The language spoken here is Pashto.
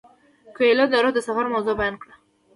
کویلیو د روح د سفر موضوع بیان کړه.